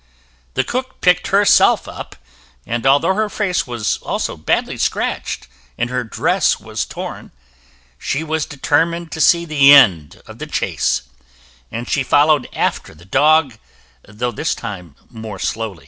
The cook picked herself up, and although her face was also badly scratched and her dress was torn, she was determined to see the end of the chase, and she followed after the dog, though this time more slowly.